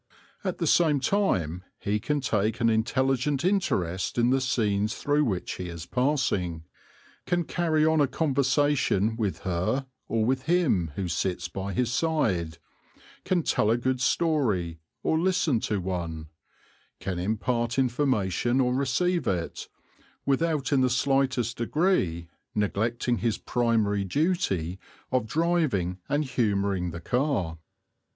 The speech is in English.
At the same time he can take an intelligent interest in the scenes through which he is passing, can carry on a conversation with her or with him who sits by his side, can tell a good story or listen to one, can impart information or receive it, without in the slightest degree neglecting his primary duty of driving and humouring the car.